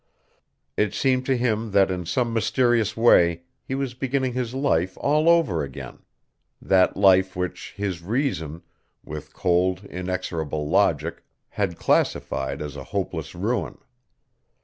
It seemed to him that in some mysterious way he was beginning his life all over again, that life which his reason, with cold, inexorable logic, had classified as a hopeless ruin.